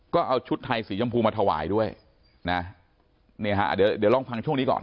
ก็เอาชุดไทยสีชมพูมาถวายด้วยนะเนี่ยฮะเดี๋ยวเดี๋ยวลองฟังช่วงนี้ก่อน